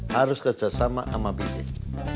harus kerjasama sama bidin